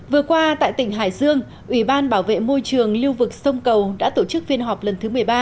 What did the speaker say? vừa qua tại tỉnh hải dương ủy ban bảo vệ môi trường lưu vực sông cầu đã tổ chức phiên họp lần thứ một mươi ba